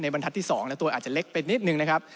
บรรทัศน์ที่๒และตัวอาจจะเล็กไปนิดนึงนะครับ